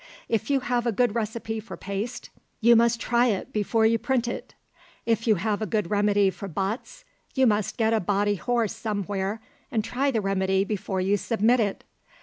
If you have a good recipe for paste, you must try it before you print it. If you have a good remedy for botts, you must get a botty horse somewhere and try the remedy before you submit it.